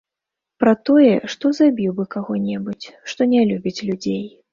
Пра тое, што забіў бы каго-небудзь, што не любіць людзей.